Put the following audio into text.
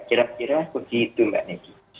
kira kira begitu mbak negi